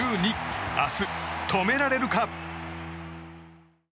明日、止められるか？